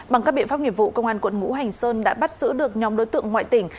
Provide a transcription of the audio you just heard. bằng các biện pháp nghiệp vụ công an quận ngũ hành sơn đã bắt giữ được nhóm đối tượng ngoại tỉnh